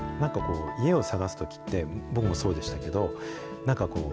家を探すときって、僕もそうでしたけど、なんかこう、